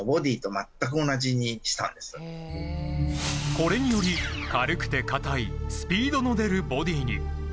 これにより、軽くて硬いスピードの出るボディーに。